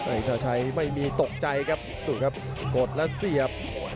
เอกชาชัยไม่มีตกใจครับดูครับกดแล้วเสียบ